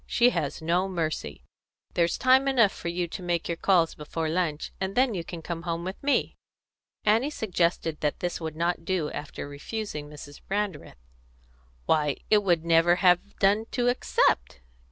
She has no mercy. There's time enough for you to make your calls before lunch, and then you can come home with me." Annie suggested that this would not do after refusing Mrs. Brandreth. "Why, it would never have done to accept!"